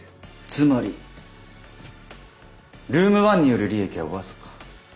つまりルーム１による利益は僅か２％。